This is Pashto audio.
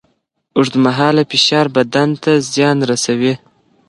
اوږدمهاله فشار بدن ته زیان رسوي.